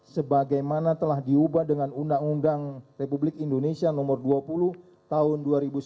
delapan sebagai mana telah diubah dengan undang undang republik indonesia no dua puluh tahun dua ribu satu